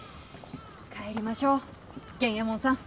帰りましょう玄右衛門さん。